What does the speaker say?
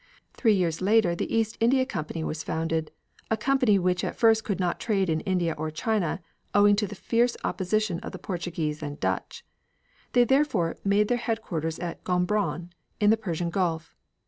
Three years later the East India Company was founded, a company which at first could not trade in India or China owing to the fierce opposition of the Portuguese and Dutch. They therefore made their headquarters at Gombron in the Persian Gulf.